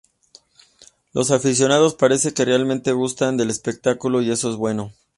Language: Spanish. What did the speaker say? Los aficionados parece que realmente gustan del espectáculo, y eso es bueno.